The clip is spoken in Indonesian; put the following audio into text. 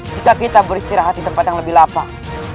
jika kita beristirahat di tempat yang lebih lapang